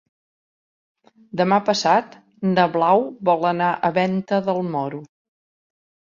Demà passat na Blau vol anar a Venta del Moro.